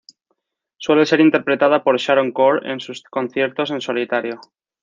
Suele ser interpretada por Sharon Corr en sus conciertos en solitario.